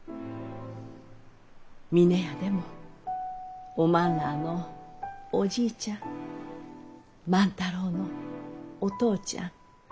峰屋でもおまんらのおじいちゃん万太郎のお父ちゃん